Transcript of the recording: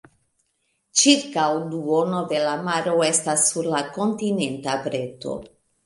Ĉirkaŭ duono de la maro estas sur la kontinenta breto.